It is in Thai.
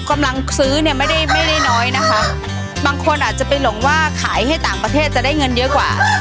กำลังซื้อเนี่ยไม่ได้ไม่ได้น้อยนะคะบางคนอาจจะไปหลงว่าขายให้ต่างประเทศจะได้เงินเยอะกว่า